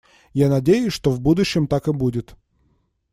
Я надеюсь, что в будущем так и будет.